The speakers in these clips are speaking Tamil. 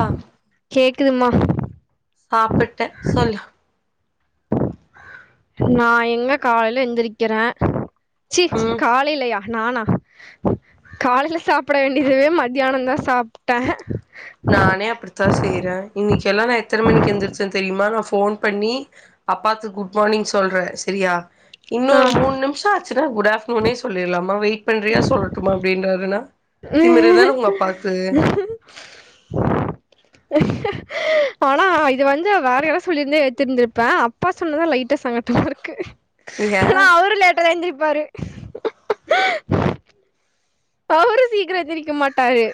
ஆ கேக்குதுமா சாப்பிட்ட சொல்லு நா எங்க காலைய்ல எந்திரிக்கிறே ச்சி ம் கால் இல்லையா நானா காலைய்ல சாப்பட வேண்டியதுவே மத்யானம் தா சாப்ட்டே நானே அப்டித்தா செய்றே இன்னிக் எல்லா நா எத்தன மணிக் எந்திரிச்சே தெரியுமா நா ஃபோன் பண்ணி அப்பாத்து குட் மானிங் சொல்றே செரியா ஆ இன்னொரு மூண் நிம்ஷோ ஆச்சுன்னா குட் ஆஃப் உனே சொல்லிர்லாமா வெய்ட் பண்றியா சொல்லட்டுமா அப்டின்றாறுன்னா திமிருதான் உங்க அப்பா உ அஹ ஆனா இது வந்து வேற யாராவ் சொல்லிர்ந்தே ஏத்திந்திருப்பே அப்பா சொன்னதா லைட்டா சங்கட்டமா ருக்கு ஏ ஏன்னா அவ்ரு லேட்டாதா எந்திரிப்பாரு அவ்ரு சீக்கிர எந்திரிக்க மாட்டாரு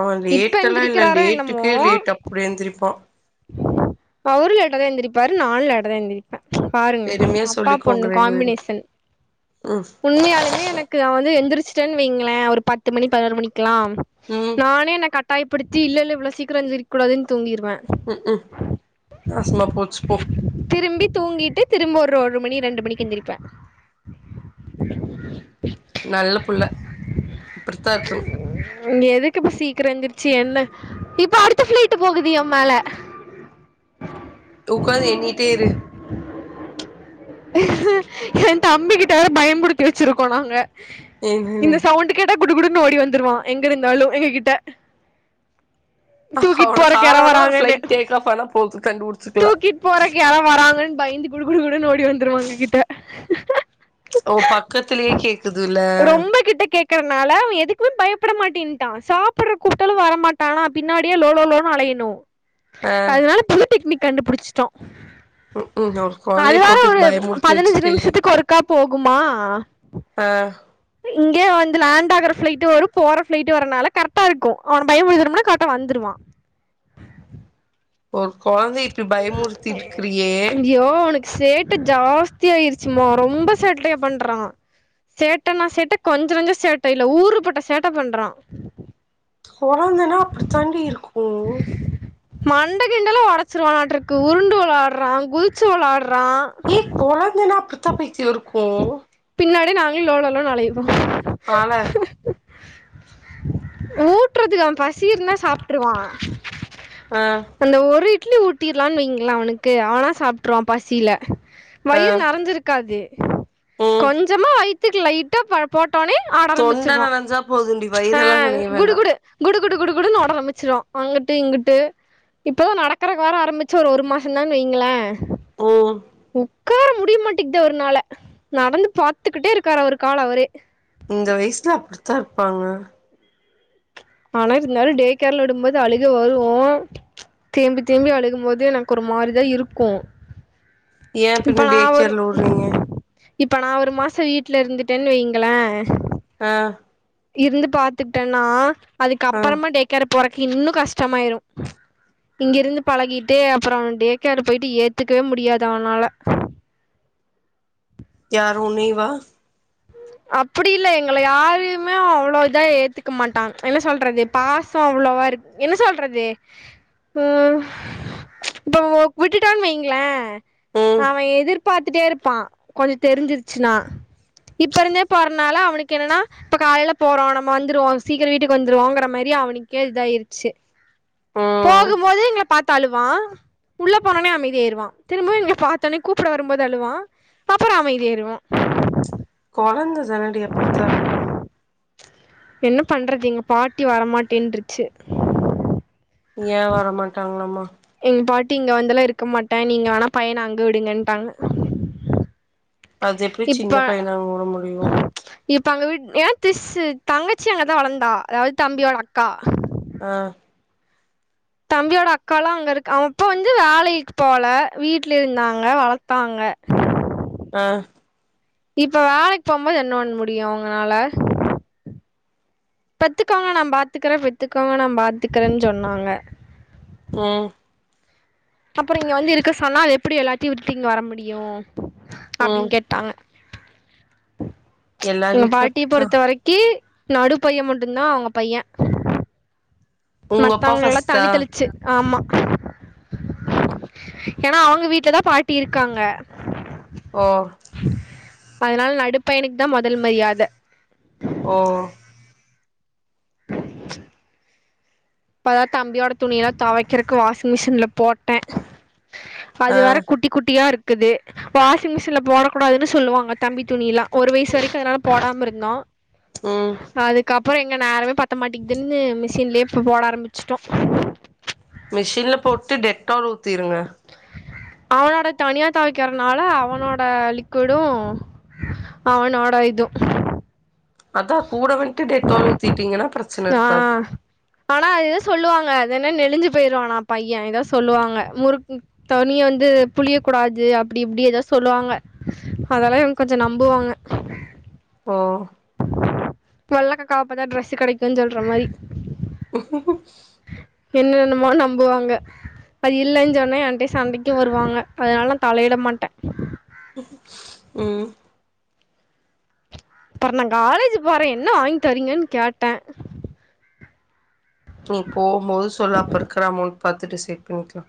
அவன் இப்ப ரேட்டல்லா இல்லல் எந்திரிக்கிறாரோ லேட்டுக்கே லேட் அப்டி எந்திரிப்பா அவ்ரு லேட்டாதா எந்திரிப்பாரு நானு லேட்டாதா எந்திரி ப பாருங்க பெருமையா அப்பா பொண்ணு சொல்லிக்கோங்க ரெண்டு பேரு காம்பினேஷன் ம் உண்மையாலுமே எனக் ஆ வந்து எந்திரிச்ட்டென் வைங்களே ஒரு பத்து மணி பதினோரு மணிக்குலாம் ம் நானே என கட் ட்டாய்ப்படுத்தி இல்லல்லே இவ்ளோ சீக்கிர எந்திரிக்கூடாதுன் தூங்கீர்வே ம் ம் நாசமா போச்சு போ திரும்பி தூங்கிட்டு திரும்ப ரோரு மணி ரெண்டு மணிக் எந்திரிப்பே நல்ல புள்ள இப்படித்தா இர்க்கண் இங்க எதுக்கு இப்ப சீக்கிரோ எந்திருச்சு என்ன இப்ப அடுத்த ஃபிளைட்டு போது எ மேல உக்காந்து எண்ணிட்டே இரு எ தம்பிகிட்ட வேற பயம்முறுத்தி வச்சிருக்கோம் நாங்க என்னன்னு இந்த சவுண்டுக்கு கேட்டா குடு குடுன்னனு ஓடி வந்துருவா எங்க இருந்தாலு எங்க கிட்ட தூக்கிட்டு அவன போற கெற காணேனா வராங்கன்னு ஃபிளைட் டேக் ஆஃப் ஆனா போதும் கண்டுபிடிச்சுக்கலாம் தூக்கிட்டு போறக்கு யாரோ வராங்கன்னு பயந்து குடு குடுகுடுன்னு ஓடி வந்துருவா எங்க கிட்ட அவ பக்கத்துலயே கேக்குதுல்ல அதுனால எதுக்குமே பயப்பட மாட்டேன்டா சாப்ற கூப்ட்டாலு வர மாட்டா பின்னாடியே லோ லோன்னு அலையணும் ஆ அதனால புதுடெக்னிக் கண்டுபிடிச்சுட்டோ உம்ம் ஒரு கொழந்தைய போட்டுட் பயப் பதினஞ்சு நிமிஷசத்க்கு ஒருக்கா போகுமா ஆ இங்க வந்து லேண்ட் ஆற ஃபிளைட்டு வரும் போற ஃபிளைட்டு வரனால கரெக்டா இருக்கும் அவன் பயம் முறுத்துன்னா கரக்ட்டா வந்துடுவா ஒரு குழந்தையை இப்டி பயமுறுத்தி இருக்குறியே யோ உனக் சேட்ட ஜாஸ்த்திய ஆயிச்சுமா ரொம்ப சேட்டய பண்றா சேட்டனா சேட்ட கொஞ்ச நஞ்சம் சேட்ட இல்ல ஊரு பட்ட சேட்ட பண்றா கொழந்தனா அப்டி தாண்டி இருக்கு மண்டை கிண்டல உடச்சிருவளாட்டு இருக்கு உருண்டு வெளாடுறா குதிச்சு வெளாடுறா கொழந்தனா அப்டி தா பைத்தியோ இருக்கு பின்னாடி நாங்க ஏ லோ லோனு அழைய போறோ ஆள ஊட்டுறதுக்கு அவே பசி இருந்தா சாப்ட்ருவா ஆ அந்த ஒரு இட்லி ஊட்டிர்லான்னு வைங்லே அவனுக்கு அவனா சாப்ட்ருவா பசியில ஆ வயிறு நெறஞ்சிருக்காது ம் கொஞ்சமா வயித்க்கு லைட்டா பத் போட்டோனே ஆட தொண்ட ஆரம்பிச்சிருவா நனஞ்சா போதுண்டி ஆ வயிறெல்லா நனைய குடு வேண்டா குடு குடு குடு குடு குடு ஓட ஆரம்பிச்சிவா அங்கிட்டு இங்கிட்டு இப்போ நடக்கறக்கு வேற ஆரம்பிச்சு ஒரு ஒரு மாசோ தானு வைங்களே உம் உக்கார முடிய மாட்டேங்குது அவரு நாள நடந்து பாத்துக்கிட்டே இருக்காரு அவரு கால அவரே இந்த வயசுல அப்டித்தா இருப்பாங்க ஆனா இருந்தாலும் டே கேர்ல விடும் போது அழுக வரு தேம்பி தேம்பி அழுக போது எனக்கு ஒரு மாரிதா இருக்கு ஏ இப்ப பின்ன நா டே ஒரு கேர்ல விடுறீங்க இப்ப நா ஒரு மாசோம் வீட்ல இருந்துட்டேன் வைங்களே ஆ இருந்து பாத்துக்கிட்டேனா அதுக்கு ஆ அப்றமா டேக் கேர்ல போறக்கு இன்னு கஷ்டமாயிரு இங்கிருந்து பழகிட்டு அப்றோ டேக்காரு போயிட்டு ஏத்துக்கவே முடியாது அவனால யாரு உன்னிவா [inaudible] அப்டி இல்ல எங்கள யாரையுமே அவ்ளோ இதா ஏத்துக்க மாட்டான் என்ன சொல்றது பாசம் அவ்ளோவா இருக்கு என்ன சொல்றது உம் இப்ப விட்டுடோன்னு வைய்ங்ளே ம் அவே எதிர்பாத்துட்டே இருப்பா கொஞ்சோ தெரிஞ்சிருச்சுனா இப்போ இருந்தே போறதுனால அவனுக்கு என்னன்னா இப்ப காலையில போறோ நம்ம வந்துருவோ சீக்கிர வீட்டுக்கு வந்துருவோங்கிற மாறி அவனுக்கே இதாயிருச்சு ம் போகும்போது எங்களை பாத்து அழுவான் உள்ள போனா ஒன்னையு அமைதி ஆயிருவா திரும்பவு எங்களை பாத்தோனே கூப்பிட வரும் போது அழுவா அப்பறோ அமைதியாயிருவா கொழந்த தானடி அப்டித்தா இருக்கு என்ன பண்றது எங்க பாட்டி வரமாட்டேன்றுச்சு ஏ வரமாட்டாங்களா மா எங்க பாட்டி இங்க வந்துல்லா இருக்க மாட்டே நீங்க வேனா பையன அங்க விடுங்கன் ட்டாங்க அது எப்டி இப்ப சின்ன பையனா அங்க விட முடியு இப்ப அங்க வீட் ஏ திஸ்ஸு தங்கச்சி அங்கதா வளர்ந்தா அதாவது தம்பியோட அக்கா ஆ தம்பியோட அக்காலா அங்க இருக்கு அவ அப்ப வந்து வேலக்கு போல வீட்ல இருந்தாங்க வளத் தாங்க ஆ இப்ப வேலக்கு போகும்போது என்ன பண்ண முடியு வவுங்கனால பெத்துக்கோங்க நா பாத்துக்கறே பெத்துக்கோக நா பாத்துக்கறேன்னு சொன்னாங்க ஆ அப்பறோ இங்க வந்து இருக்க சொன்னா அது எப்டி எல்லாத்தையு விட்டுட்டு இங்க வர முடியு ம் அப்டின்னு கேட்டாங்க எல்லார் எங்க வீட்லயு பாட்டிய அப்டித்தா பொறுத்த வரக்கி நடு பைய மட்டு தா அவங்க பையன் உங்க அப்பா மத்தவங்களேல்லா ஃபஸ்ட்டா தண்ணி தெளிச்சு ஆமா ஏனா அவுங்க வீட்டுல தா பாட்டி இருக்காங்க ஓ அதுனால நடுப்பயணுக்கு தா முதல் மரியாத ஓ இப்பத தம்பியோட துணியெல்லா துவைக்குறதுக்கு வாஷிங் மிஷின்ல போட்டே அது ஆ வரை குட்டி குட்டிய இருக்குது வாஷிங் மிஷினில் போடக்கூடாதுன்னு சொல்லுவாங்க தம்பி துணியிலா ஒரு வயசு வரைக்கு அதனால போடாம இருந்தோ ம் அதுக்கப் அப்பறோ எங்க நேரமே பத்த மாட்டிங்குதுன்னு மிஷின்லே இப்ப போட ஆரம்பிச்சுட்டோ மிஷின்ல போட்டு டெட்டால் ஊத்திருங்க அவனோடத தனியா துவைக்கிறதுனால அவனோட லிக்கிவிடு அவ நோட யிதும் அதா கூட வந்துட்டு டெட்டால் ஊத்திட்டீங்கன்னா பிரச் ஆ ஆனா ஏதோ சொல்லு வாங்க அது என்ன நெலிஞ்சு போயிருவான பையே எதவது சொல்லு வாங்க முரு தனிய வந்து புளிய கூடாது அப்டி இப்பிடி ஏதோ சொல்லுவாங்க அதெல்லா இவங்கா கொஞ்சோ நம்புவாங்க ஓ வெள்ள கக்கா பாத்தா ட்ரெஸ் கிடைக்குன் சொல்ற மாறி உ [inaudible] என்ன என்னமோ நம்புவாங்க அது இல்லைன் சொன்னே என்டையே சண்டைக்கு வருவாங்க அதனால நா தலையிட மாட்டே ம் அப்பற நா காலேஜ் போறே என்ன வாங்கி தரீங்கன்னு கேட்டே ம் போபோது சொல்லு அப்போ இருக்கிற அமௌண்ட் பாத்துட்டு செட் பண்ணிக்கலா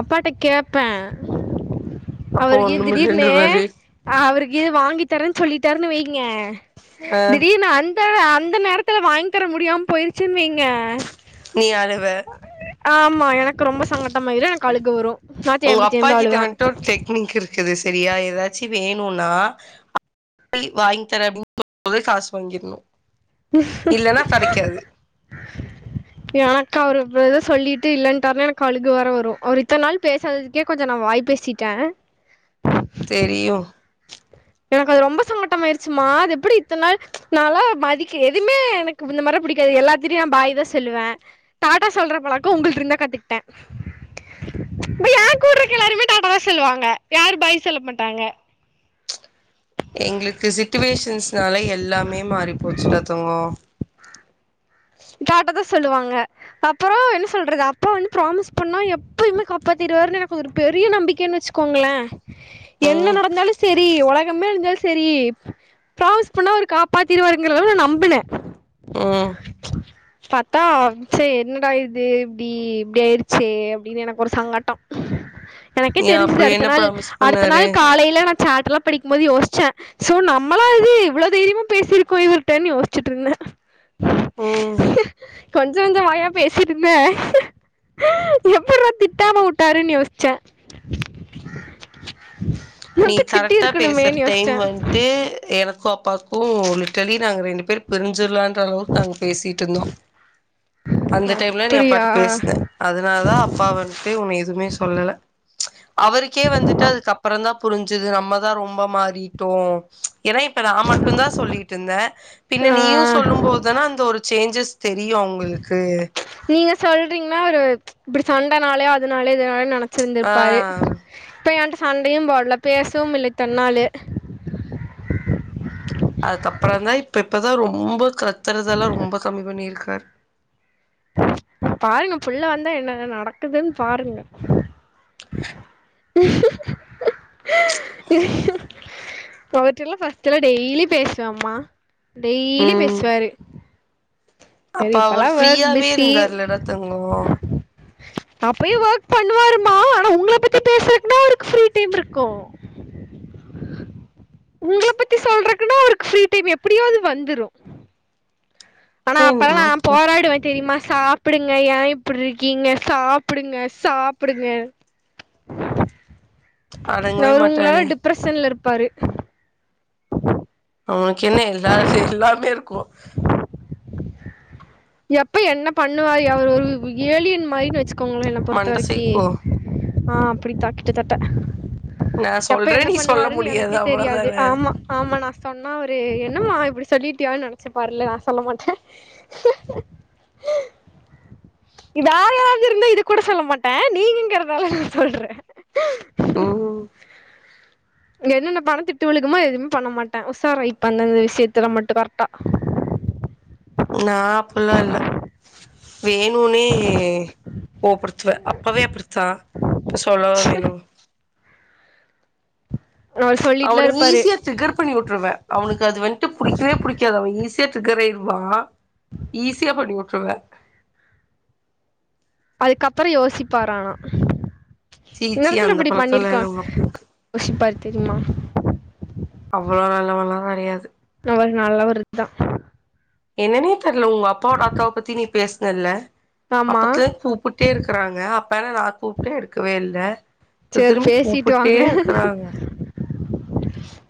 அப்பாட்ட கேப்பே அப்போ அவருகு திடீர்னு ஒண்ணுமில்லன்ற மாரி அவருக்கு வாங்கி தரேன் சொல்லிட்டார்னு வைங்க ஆ திடீர்னு அன் த அந்த நேரத்துல வாங்கி தர முடியாம போயிருச்சின் வைங்க நீ அழுவ ஆ ஆமா எனக்கு ரொம்ப சங்கட்டமாயிரு எனக்கு அழுக வரு நா தேம்பி தேம்பி அழுவ முன்னுக்கு இருக்குது சரியா ஏதாச்சி வேணுனா சரி வாங்கி தரே அப்பிடின்னும் போதே காசு வாங்கிருணு இல்லன்னா கெடைக்காது எனக்கு அவ்ரு ஏது சொல்லிட்டு இல்லன்டாருனா எனக்கு அழுக வேற வரு அவர் இத்த நாள் பேசாததுக்கே கொஞ்ச நா வாய் பேசிட்டே தெரியு எனக்கு அது ரொம்ப சங்கட்டமாயிடுச்சிமா அது எப்பிடி இத்த நாள் நாலா மதிக்க எதுவுமே எனக்கு இந்த மாரில புடிக்காது எல்லாத்திட்டயு நா பாய் தா சொல்லுவே டாட்டா சொல்ற பழக்கோ உங்கள்ட்ட இருந்தா கத்துக்கிட்டே இப்ப ஏ கூடுறக்க எல்லாருமே டாட்டா தா சொல்லுவாங்க யாரு பாய் சொல்லமாட்டாங்க எங்களுக்கு சிட்டுவேஷன்ஸ்னாலே எல்லாமே மாறி போச்சுடா தங்கோ காட்டதா சொல்லுவாங்க அப்புறோ என்ன சொல்றது அப்பா வந்து ப்ராமிஸ் பண்ணா எப்பயுமே காப்பாத்திருவாரு எனக்கு ஒரு பெரிய நம்பிக்கைன் வச்சு கோங்களே என்ன ம் நடந்தாலு சரி உலகமே அழிஞ்சாலு சரி ப்ராமிஸ் பண்ணா அவரு காப்பாத்தீருவாரங்குறனால நா நம்புனே ம் பாத்தா சே என்னடா இது இப்டி இப்டி ஆயிடுச்சே அப்டின்னு எனக்கு ஒரு சங்கட்டோ எனக்கே ஏ தெரிஞ்சுது அப்படி அடுத்த என்ன நாள் ப்ராமிஸ் அடுத்த நாள் பண்ணாரு காலைல நா சேட்டலா படிக்கும் போது யோஸ்ச்சே சோ நம்மளா இது இவ்ளோ தைரியமா பேசிருக்கோ இவர்கிட்டன் யோஸ்ச்சிட்டு இருந்தே ஓ கொஞ்சோ நஞ்சோ வாயா பேசிருந்தே எப்பிரா திட்டாம விட்டாருன் யோஸ்ச்சே நீ கரெட்டா பேசுற இருக்கணுமேன்னு டைம் யோசிச்சே வந்ட்டு எனக்கு அப்பாக்கு லிட்டலி நாங்க ரெண்டு பேரு பிரிஞ்சிர்லான்ற அளவுக்கு நாங்க பேசிட்டு இருந்தோ அந்த டைம்ல நீ அப்படியா அப்பாட்ட பேசுன அதனால தா அப்பா வந்ட்டு உன்ன எதுவுமே சொல்லல அவருக்கே வந்துட்டு அதுக்குப்றந்தா புரிஞ்சுது நம்மதா ரொம்ப மாறிட்டோ ஏனா நா மட்டுந்தா சொல்லிட்ருந்தே பின்ன நீயு சொல்லும் ஆ போ அதனா அந்த ஒரு சேஞ்சஸ் தெரியு அவங்களுக்கு நீங்க சொல்றீங்ன்னா இவ்ரு இப்டி சண்டனாலயோ அதனாலயே இதலா ஆ நெனச்சிருந்திருப்பாரு இப்ப என்ட சண்டையும் போட்ல பேசவும் இல்லை தன்னாலயே அதுக்கப்புறந்தா இப்ப இப்பதா ரொம்ப கத்துறதெல்லா ரொம்ப கம்மி பண்ணிருக்காரு பாருங்க நம் புள்ள வந்தா என்ன என்ன நடக்குதுன் பாருங்க உ [unintelligible] ஃபஸ்ட்டுலா டெய்லி பேசுவேம்மா டெய்லி ம் பேசுவாரு அப்ப சரி இப்பல்லா அவர் ஒர்க் ஃப்ரீயாவே பிஸி இருந்தாருலடா தங்கோ அப்பயு ஒர்க் பண்ணுவாருமா ஆனா உங்கள பத்தி பேசுறக்குன்னா அவருக்கு ஃப்ரீ டைம் இருக்கு உங்கள பத்தி சொல்றக்குன்னா அவருக்கு ஃப்ரீ டைம் எப்படியாவது வந்துரு ஆனா அப்பல்லா என்னமோ நா போ போராடுவே தெரியுமா சா சாப்பிடுங்க ஏ இப்படி இருக்கீங்க சாப்பிடுங்க சாப்பிடுங்கன்னு இ அடங்கவே அவரு உங்களால மாட்டானே டிப்ரஷன்ல இருப்பாரு உம் அவனுக்கு என்ன எல்லா எல்லாமே இருக்கு எப்ப என்ன பண்ணுவா அவரு ஒரு ஏலியன் மாரின்னு வெச்சுக்கோங்களே என்னை பொறுத்த மண்ட வரைக்கி சேக்கு ஆ அப்படி தா கிட்ட தட்ட நா எப்ப சொல்றே என்ன நீ சொல்ல பண்ணுவாருன்னு முடியாது எனக்கே தெரியாது அவ்ளோதான ஆமா ஆமா நா சொன்ன ஆனா அவரு என்னமா இப்படி சொல்லிட்டியான்னு நெனைச்சு பாருல நா சொல்ல மாட்டே இது வேர யாராவது இருந்தா இது கூட சொல்ல மாட்டே நீங்கிங்கிறதுதால நா சொல்றே ம் இங்க என்னென்ன பண்ணாத் திட்டு விழுக்குமோ எதுவுமே பண்ண மாட்டே உசாரா இப்ப அந்தந்த விஷயத்து மட்டு கரெக்டா நா அப்டில்லா இல்ல வேணுனே கோவ படுத்துவே அப்பவே அப்படிதா இப்ப சொல்லவா வேணு அவரு சொல்லிட்டுலா அவனுங்க இருப்பாரு ஈசியா ட்ரிக்கர் பண்ணி விட்டுருவே அவனுக்கு அது வண்டு புடிக்கவே புடிக்காது அவ ஈஸியா ட்ரிக்கர் ஆகிருவா ஈஸியா பண்ணிவிட்டுருவே அதுக்கப்புறோ யோசிப்பாரா சீ சீ இந்தடத்துல அந்த இப்படி பழக்கல்லா பண்ணிருக்கா இல்ல உங்க அப்பாவுக்கு யோசிப்பாரு தெரியுமா அவ்வளோ நல்லவன்ல்லா கெடையாது அவரு நல்லவருதா என்னன்னே தெரில உங்க அப்பாவோட அக்காவ பத்தி நீ பேசுனெல்ல ஆமா அப்பத்துலயே கூப்பிட்டே இருக்கறாங்க அப்பானா நா கூப்பிட்டே எடுக்கவே இல்ல இப்ப சேரி திரும்பி பேசிட்டு கூப்பிட்டே வாங்க இருக்குறாங்க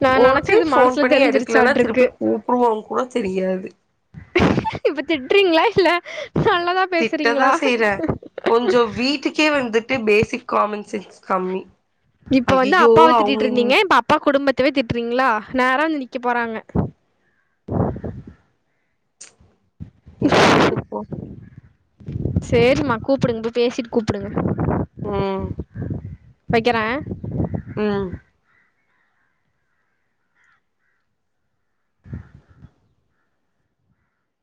நா ஒரு நெனச்சது டைம் போன் மனசுல பண்ணி எடுக்கலன்னா தெரிஞ்சிருச்சாட்ருக்கு திருப்பி கூப்பிடுவோங்க கூட தெரியாது இப்ப திட்டுறீங்களா இல்ல நல்லதா திட்டதா பேசுறீங்களா செய்யிறே கொஞ்சோ வீட்டுக்கே வந்துட்டு பேசிக் காமன் சென்ஸ் கம்மி இப்ப வந்து ஐயையோ அப்பாவ அவங்க இந் திட்டிட்டுருந்தீங்க இப்ப அப்பா குடும்பத்தவே திட்டுறீங்களா நேரா வந்து நிக்க போறாங்க நீ கேட்டு போ சேரிமா கூப்பிடுங்க போய் பேசிட்டு கூப்பிடுங்க ம் வெக்கிறே ம் [unintelligible]